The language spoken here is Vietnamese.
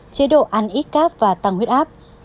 chế độ ăn ít carbs và tăng huyết áp